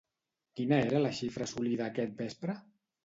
Quina era la xifra assolida aquest vespre?